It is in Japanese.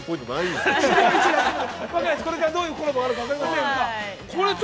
これからどういうコラボがあるか分かりませんが。